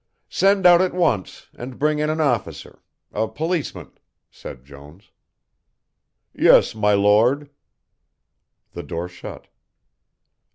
"Send out at once, and bring in an officer a policeman," said Jones. "Yes, my Lord." The door shut.